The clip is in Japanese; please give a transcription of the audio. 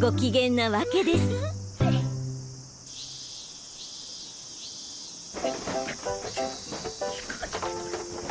ご機嫌なわけですお？